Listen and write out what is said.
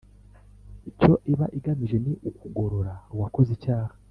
icyo iba igamije ni ukugorora uwakoze icyaha.